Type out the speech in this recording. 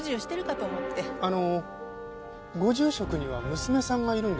あのご住職には娘さんがいるんですか？